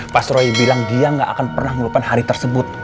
pas roy bilang dia gak akan pernah melupakan hari tersebut